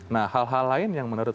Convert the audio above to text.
nah hal hal lain yang menurut